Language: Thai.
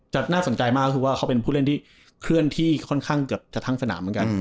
น่าสนใจมากก็คือว่าเขาเป็นผู้เล่นที่เคลื่อนที่ค่อนข้างเกือบจะทั้งสนามเหมือนกัน